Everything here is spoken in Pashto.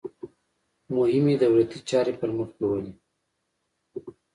مهمې دولتي چارې پرمخ بیولې.